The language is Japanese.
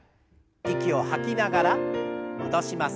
息を吐きながら戻します。